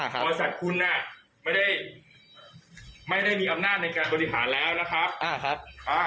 บริษัทคุณไม่ได้มีอำนาจในการบริหารแล้วนะครับ